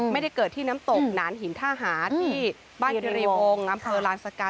ไม่ได้เกิดที่น้ำตกหนานหินท่าหาที่บ้านคิรีวงศ์อำเภอลานสกา